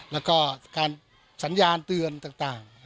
แล้วก็การสัญญาณเตือนต่าง